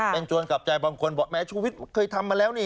เป็นจวนกลับใจบางคนบอกแม้ชูวิทย์เคยทำมาแล้วนี่